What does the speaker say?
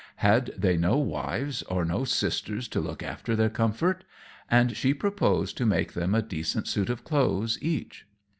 Had they no wives or no sisters to look after their comfort? And she proposed to make them a decent suit of clothes each.